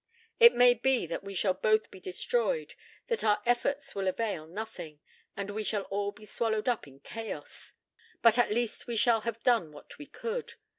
It may be that we shall both be destroyed, that our efforts will avail nothing, and we shall all be swallowed up in chaos. But at least we shall have done what we could.